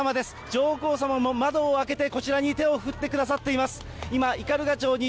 上皇さまも窓を開けて、こちらに手を振ってくださっています。